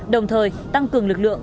đồng thời tăng cường lực lượng